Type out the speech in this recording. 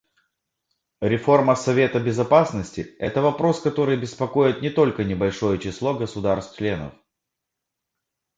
Реформа Совета Безопасности — это вопрос, который беспокоит не только небольшое число государств-членов.